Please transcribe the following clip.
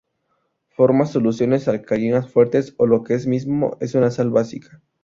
Forma soluciones alcalinas fuertes, o lo que es lo mismo, es una sal básica.